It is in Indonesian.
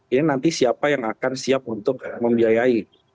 ini nanti siapa yang akan siap untuk membiayai